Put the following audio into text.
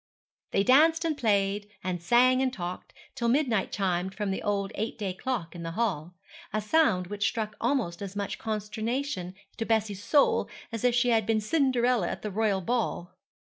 They danced and played, and sang and talked, till midnight chimed from the old eight day clock in the hall, a sound which struck almost as much consternation to Bessie's soul as if she had been Cinderella at the royal ball.